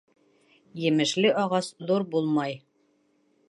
Емешле ағас ҙур булмай.